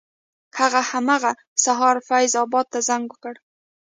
هغه همغه سهار فیض اباد ته زنګ وکړ.